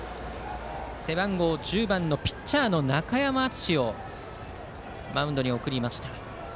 背番号１０番のピッチャーの中山敦をマウンドに送りました。